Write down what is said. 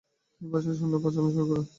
তিনি ভারতবর্ষে শূন্যের প্রচলন করেন।